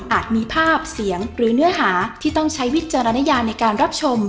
มีภาพเสียงหรือเนื้อหาที่ต้องใช้วิจารณญาในการรับชม